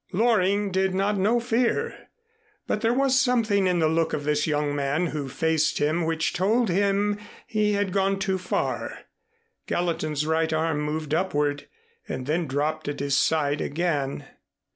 Loring did not know fear, but there was something in the look of this young man who faced him which told him he had gone too far. Gallatin's right arm moved upward, and then dropped at his side again.